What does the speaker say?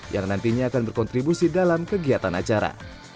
yang nantinya akan berkontribusi dalam kegiatan acara